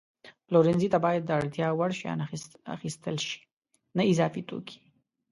پلورنځي ته باید د اړتیا وړ شیان اخیستل شي، نه اضافي توکي.